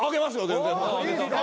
全然。